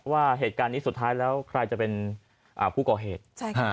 ว่าเหตุการณ์นี้สุดท้ายแล้วใครจะเป็นผู้ก่อเหตุ